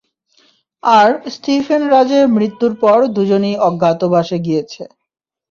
আর Stephen রাজের মৃত্যুর পর দুজনই অজ্ঞাতবাসে গিয়েছে।